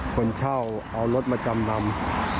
คนเช่าเอารถมาจำนำ